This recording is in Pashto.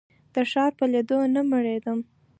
د ښار په لیدو نه مړېدم.